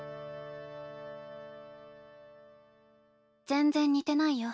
全然似てないよ